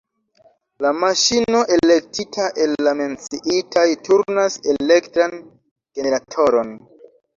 La maŝino elektita el la menciitaj turnas elektran generatoron.